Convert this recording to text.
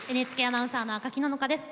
ＮＨＫアナウンサーの赤木野々花です。